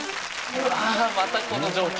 うわまたこの状況。